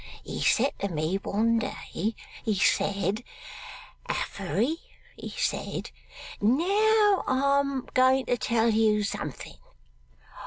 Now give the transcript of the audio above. He said to me one day, he said, "Affery," he said, "now I am going to tell you something.